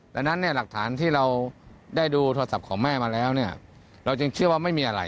ดังนั้นเนี่ยหลักฐานที่เราได้ดูโทรศัพท์ของแม่มาแล้วเนี่ยเราจึงเชื่อว่าไม่มีอะไร